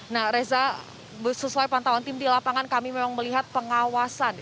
nah reza sesuai pantauan tim di lapangan kami memang melihat pengawasan